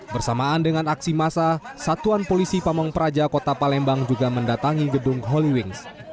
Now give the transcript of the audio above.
bersamaan dengan aksi masa satuan polisi pamung praja kota palembang juga mendatangi gedung holy wings